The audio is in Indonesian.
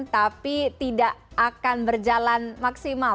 tapi tidak akan berjalan maksimal